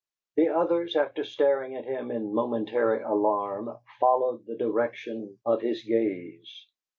The others, after staring at him in momentary alarm, followed the direction of his gaze.